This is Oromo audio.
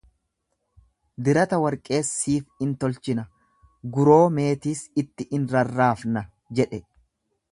dirata warqee siif in tolchina, guroo meetiis itti in rarraafna jedhe.